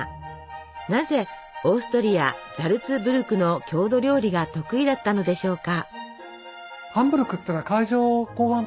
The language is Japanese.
なぜオーストリアザルツブルクの郷土料理が得意だったのでしょうか？